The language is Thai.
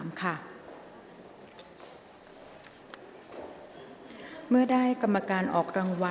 กรรมการท่านที่สองได้แก่กรรมการใหม่เลขหนึ่งค่ะ